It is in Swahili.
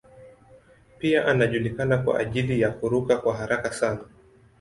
Pia anajulikana kwa ajili ya kuruka kwa haraka sana.